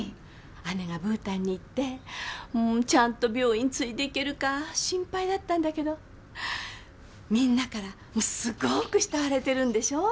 姉がブータンに行ってちゃんと病院継いでいけるか心配だったんだけどみんなからもうすごく慕われてるんでしょ？